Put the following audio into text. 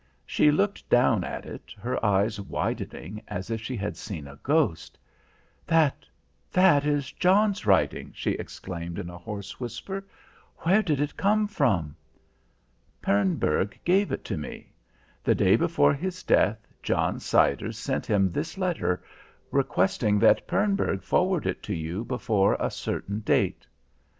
She looked down at it, her eyes widening as if she had seen a ghost. "That that is John's writing," she exclaimed in a hoarse whisper. "Where did it come from?" "Pernburg gave it to me. The day before his death John Siders sent him this letter, requesting that Pernburg forward it to you before a certain date.